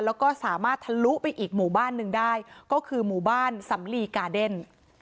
แล้วก็สามารถทะลุไปอีกหมู่บ้านหนึ่งได้ก็คือหมู่บ้านสำลีกาเดน